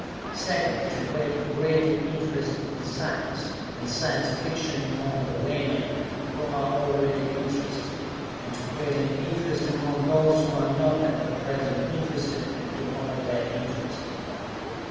Second, to create a greater interest in science and Science Fiction among the laymen who are already interested, and to create an interest among those who are not at the present interested, and to hold their interest.